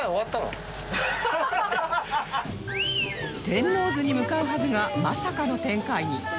天王洲に向かうはずがまさかの展開に